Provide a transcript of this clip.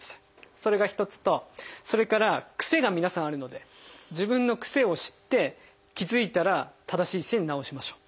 それが一つとそれから癖が皆さんあるので自分の癖を知って気付いたら正しい姿勢に直しましょう。